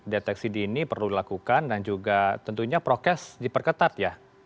deteksi dini perlu dilakukan dan juga tentunya prokes diperketat ya